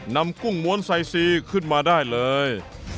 กุ้งม้วนไซซีขึ้นมาได้เลย